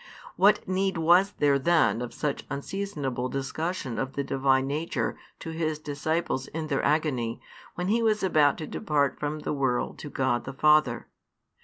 What need was there then of such unseasonable discussion of the Divine Nature to His disciples in their agony, when He was about to depart from the world to God the Father?